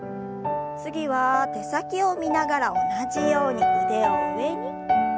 次は手先を見ながら同じように腕を上に。